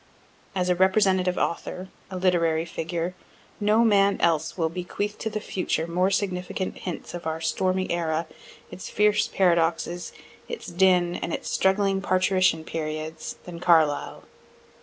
As a representative author, a literary figure, no man else will bequeath to the future more significant hints of our stormy era, its fierce paradoxes, its din, and its struggling parturition periods, than Carlyle.